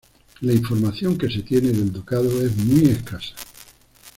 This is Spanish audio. La información que se tiene del Ducado es muy escasa.